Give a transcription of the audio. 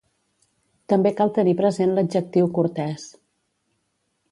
També cal tenir present l'adjectiu cortès.